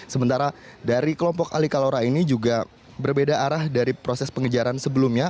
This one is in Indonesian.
sementara dari kelompok ali kalora ini juga berbeda arah dari proses pengejaran sebelumnya